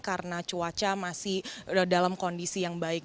karena cuaca masih dalam kondisi yang baik